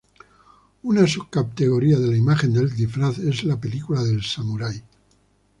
Una subcategoría de la imagen del disfraz es la película del "samurái".